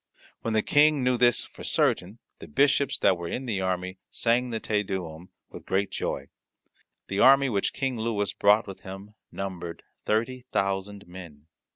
When the King knew this for certain, the bishops that were in the army sang the Te Deum with great joy. The army which King Louis brought with him numbered thirty thousand men.